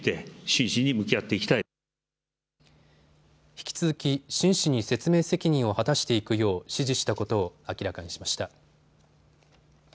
引き続き真摯に説明責任を果たしていくよう指示したことを明らかにしました。